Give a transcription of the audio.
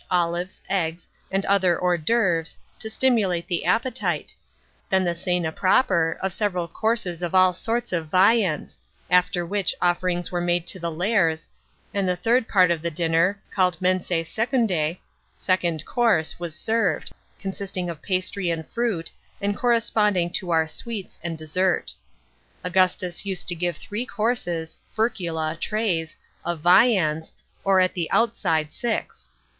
olives, eggs, and other " hors d'oeuvre," to stimulate the appetite t then the cena proper, of several courses of all sorts of viands,* after which offerings were made to the Lares, and the the third part of the dinner, calle'd mensse secundse, " second course," was served, consisting of partly and fruit, and cor responding to our "sweets "and dessert. Augustus used to give three courses (fercula, " trays ") of viands, or at the outside six.